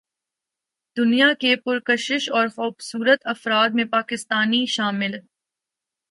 دنیا کے پرکشش اور خوبصورت افراد میں پاکستانی شامل